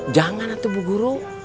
jangan bu guru